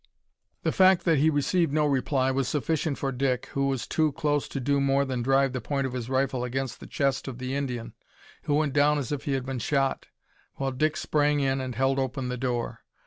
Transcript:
The fact that he received no reply was sufficient for Dick, who was too close to do more than drive the point of his rifle against the chest of the Indian, who went down as if he had been shot, while Dick sprang in and held open the door.